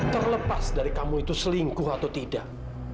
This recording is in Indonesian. terlepas dari kamu itu selingkuh atau tidak